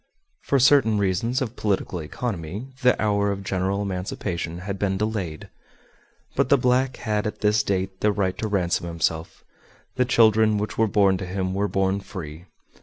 For certain reasons of political economy the hour of general emancipation had been delayed, but the black had at this date the right to ransom himself, the children which were born to him were born free.